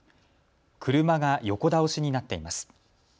車が横倒しになっています。